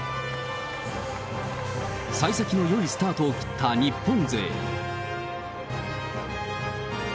さい先のよいスタートを切った日本勢。